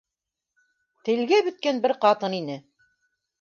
Телгә бөткән бер ҡатын ине.